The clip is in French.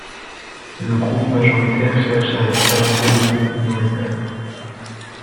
Le groupe majoritaire cherche à exterminer le groupe minoritaire.